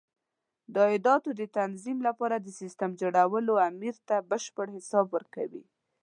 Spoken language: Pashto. د عایداتو د تنظیم لپاره د سیسټم جوړول امیر ته بشپړ حساب ورکوي.